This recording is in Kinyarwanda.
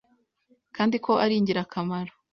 kandi ko ari ingirakamaro